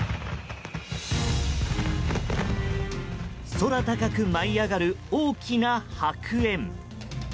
空高く舞い上がる大きな白煙。